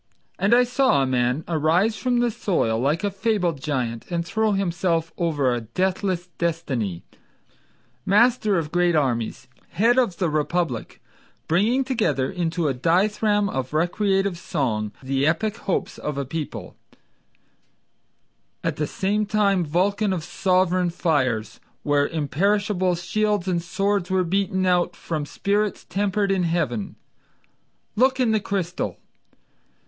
And I saw a man arise from the soil like a fabled giant And throw himself over a deathless destiny, Master of great armies, head of the republic, Bringing together into a dithyramb of recreative song The epic hopes of a people; At the same time Vulcan of sovereign fires, Where imperishable shields and swords were beaten out From spirits tempered in heaven. Look in the crystal!